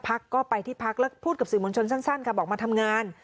หัวหน้าพักก็ไปที่พักแล้วพูดกับสื่อมงชนสั้นบอกมาทำงาน